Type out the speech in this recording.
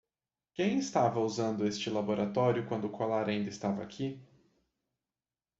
Quem estava usando este laboratório quando o colar ainda estava aqui?